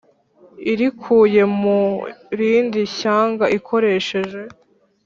irikuye mu rindi shyanga ikoresheje